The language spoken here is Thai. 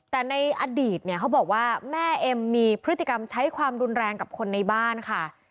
แต่ในอดีตเนี่ยเขาบอกว่าแม่เอ็มมีพฤติกรรมใช้ความรุนแรงกับคนในบ้านค่ะ